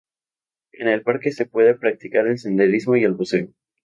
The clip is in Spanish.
En el parque se puede practicar el senderismo y el buceo.